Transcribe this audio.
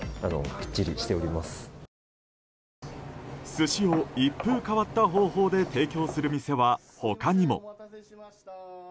寿司を一風変わった方法で提供する店は他にも。